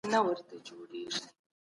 زیات منفعت د خصوصي سکتور موخه ده.